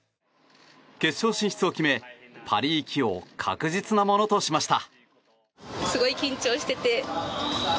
決勝進出を決め、パリ行きを確実なものとしました。